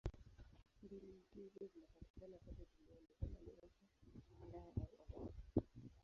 Mbinu hizo zinapatikana kote duniani: kama ni Asia, Ulaya au Afrika.